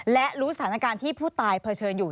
และรู้สถานการณ์ที่ผู้ตายเผชิญอยู่